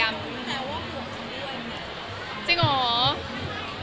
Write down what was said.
ก็เราเป็นอย่างงี้เนี่ย